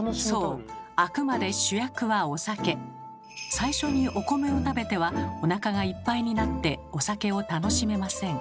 最初にお米を食べてはおなかがいっぱいになってお酒を楽しめません。